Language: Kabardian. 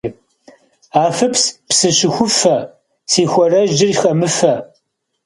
Афыпс, псы щӀыхуфэ, си хуарэжьыр хэмыфэ.